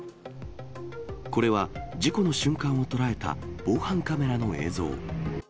これは、事故の瞬間を捉えた防犯カメラの映像。